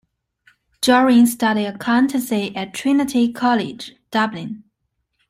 Guerin studied accountancy at Trinity College, Dublin.